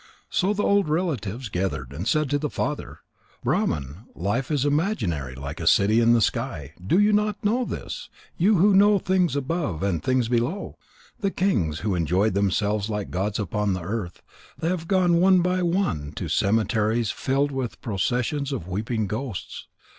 So the old relatives gathered, and said to the father: "Brahman, life is imaginary like a city in the sky. Do you not know this, you who know things above and things below? The kings who enjoyed themselves like gods upon the earth, they have gone one by one to cemeteries filled with processions of weeping ghosts.